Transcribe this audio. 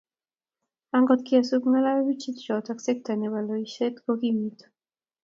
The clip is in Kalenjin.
Angot kesup ng'atutichotok, sekta nebo loiseet kokimitu.